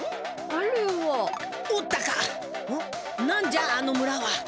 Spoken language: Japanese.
何じゃあの村は？